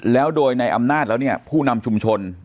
แล้วโดยในอำนาจแล้วเนี่ยผู้นำชุมชน